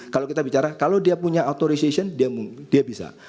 kalau kita bicara kalau dia punya authorization dia bisa